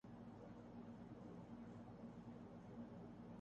ملازم بولا نہیں بلکہ دھیمے سے سر کو جنبش دی